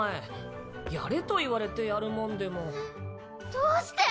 どうして？